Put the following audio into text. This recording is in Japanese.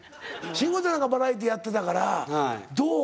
慎吾ちゃんなんかバラエティーやってたからどう？